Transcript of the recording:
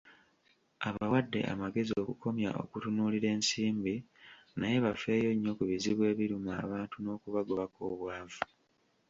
Abawadde amagezi okukomya okutunuulira ensimbi naye bafeeyo nnyo ku bizibu ebiruma abantu ng'okubagobako obwavu.